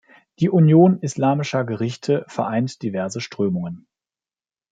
Die Union islamischer Gerichte vereint diverse Strömungen.